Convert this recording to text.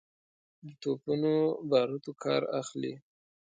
د توپونو باروتو کار اخلي.